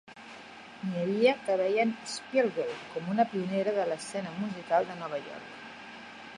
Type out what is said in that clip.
N'hi havia que veien Spiegel com una pionera de l'escena musical de Nova York.